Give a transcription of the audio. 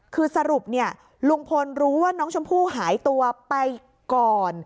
คือสรุปเนี่ยลุงพลรู้ว่าน้องชมพู่หายตัวไปก่อน